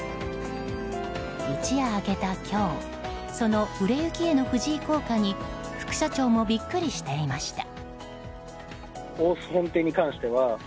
一夜明けた今日その売れ行きへの藤井効果に副社長もビックリしていました。